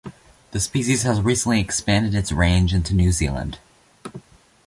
The species has recently expanded its range into New Zealand.